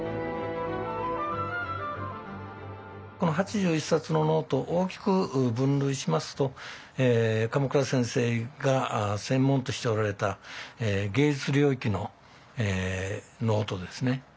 この８１冊のノート大きく分類しますと鎌倉先生が専門としておられた芸術領域のノートですね。